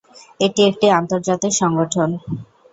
এটি একটি আন্তর্জাতিক সংগঠন।